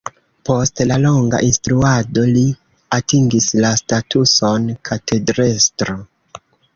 Post la longa instruado li atingis la statuson katedrestro.